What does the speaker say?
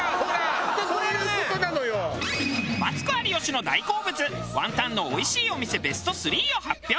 マツコ有吉の大好物ワンタンのおいしいお店ベスト３を発表。